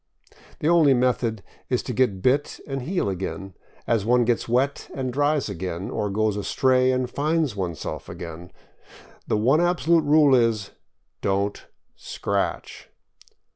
The only method is to get bit and heal again, as one gets wet and dries again, or goes astray and finds oneself again. The one absolute rule is. Don't scratch!